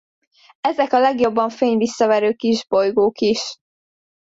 Ezek a legjobban fényvisszaverő kisbolygók is.